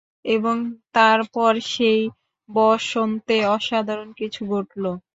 এবং তারপর সেই বসন্তে, অসাধারণ কিছু ঘটলো।